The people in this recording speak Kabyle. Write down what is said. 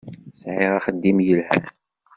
Sɛiɣ axeddim yelhan.